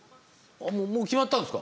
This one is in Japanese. もう決まったんですか？